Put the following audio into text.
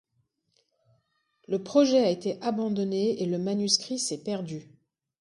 Le projet a été abandonné et le manuscrit s'est perdu.